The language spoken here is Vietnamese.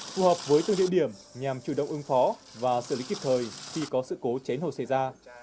phù hợp với từng địa điểm nhằm chủ động ứng phó và xử lý kịp thời khi có sự cố cháy nổ xảy ra